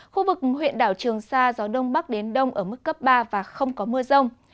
khu vực huyện đảo trường sa gió đông bắc đến đông ở mức cấp ba và không có mưa rông